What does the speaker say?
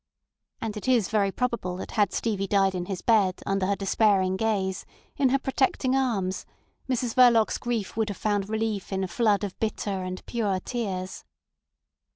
And it is very probable that had Stevie died in his bed under her despairing gaze, in her protecting arms, Mrs Verloc's grief would have found relief in a flood of bitter and pure tears.